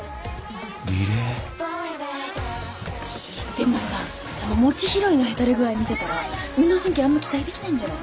でもさ餅拾いのへたれ具合見てたら運動神経あんま期待できないんじゃない？